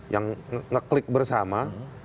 yang ngeklik bersama